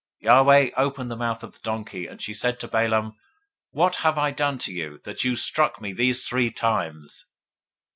022:028 Yahweh opened the mouth of the donkey, and she said to Balaam, What have I done to you, that you have struck me these three times?